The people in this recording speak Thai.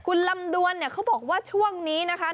คุณลำดวนเนี่ยเขาบอกว่าช่วงนี้นะคะ